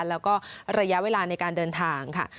แล้วก็ระยะเวลาในการเดินทางค่ะ